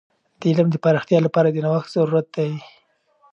د علم د پراختیا لپاره د نوښت ضرورت دی.